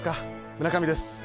村上です。